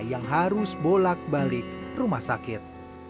yang harus bolak balik rumah sakit